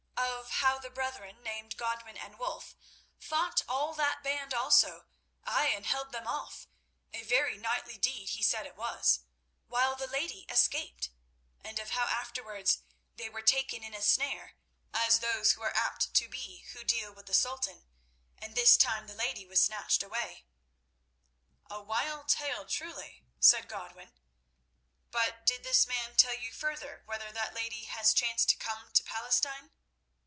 Of how the brethren named Godwin and Wulf fought all that band also—ay, and held them off—a very knightly deed he said it was—while the lady escaped; and of how afterwards they were taken in a snare, as those are apt to be who deal with the Sultan, and this time the lady was snatched away." "A wild tale truly," said Godwin. "But did this man tell you further whether that lady has chanced to come to Palestine?"